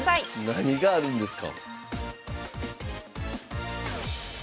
何があるんですか？